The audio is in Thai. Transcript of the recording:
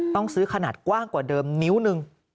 ต้องซื้อขนาดกว้างกว่าเดิมนิ้วหนึ่ง